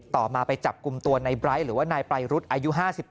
ต่อมาไปจับกลุ่มตัวในไบร์ทหรือว่านายไตรรุษอายุ๕๓